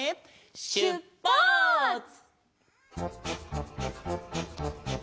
しゅっぱつ！